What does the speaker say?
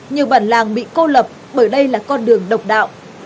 nhiều bản làng bị cô lập bởi đây là con đường độc đạo